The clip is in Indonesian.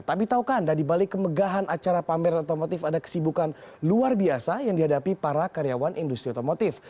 tapi tau kan dari balik kemegahan acara pameran otomotif ada kesibukan luar biasa yang dihadapi para karyawan industri otomotif